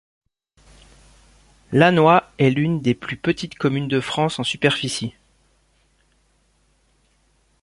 Lannoy est l'une des plus petites communes de France en superficie.